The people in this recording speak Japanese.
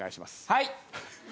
はい！